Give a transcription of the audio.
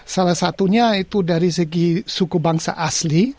salah satunya itu dari segi suku bangsa asli